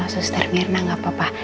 suster mirna gak apa apa